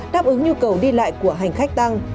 đáp ứng nhu cầu đi lại của hành khách tăng